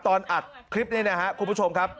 ตอนอัดคลิปนี้นะครับคุณผู้ชมครับ